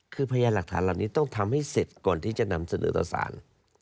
คือพยานหลักฐานเหล่านี้ต้องทำให้เสร็จก่อนที่จะนำเสนอต่อสาร